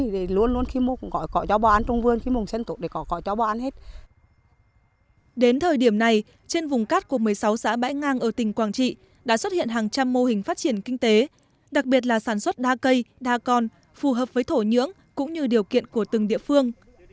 đến thời điểm này trên vùng cát của một mươi sáu xã bãi ngang ở tỉnh quảng trị đã xuất hiện hàng trăm mô hình phát triển kinh tế đặc biệt là sản xuất đa cây đa con phù hợp với thổ nhưỡng cũng như điều kiện của từng địa phương